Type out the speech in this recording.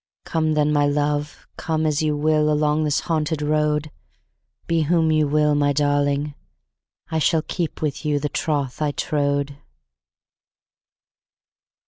Come then, my love, come as you willAlong this haunted road, Be whom you will, my darling, I shallKeep with you the troth I trowed.